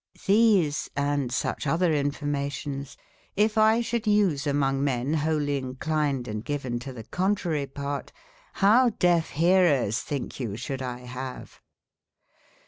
XThese, & suche other informations, yf X shoulde use a mong men wholye inclined and geven to the contrarye part, how deaffe hearers thinke you should X have